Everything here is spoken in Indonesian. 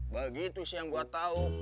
begitu sih yang gua tau